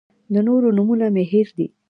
د نورو نومونه مې هېر دي.